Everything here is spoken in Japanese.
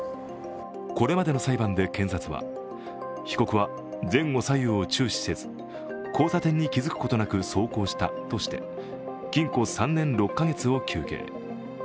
これまでの裁判で検察は、被告は前後左右を注視せず、交差点に気づくことなく走行したとして禁錮３年６か月を求刑。